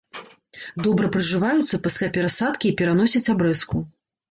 Добра прыжываюцца пасля перасадкі і пераносяць абрэзку.